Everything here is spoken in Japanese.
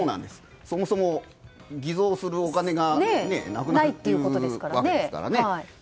そもそも偽造するお金がないっていうわけですからね。